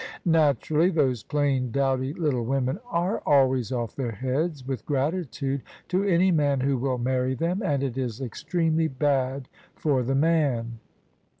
" Naturally. Those plain, dowdy little women are always off their heads with gratitude to any man who will marry them: and it is extremely bad for the man."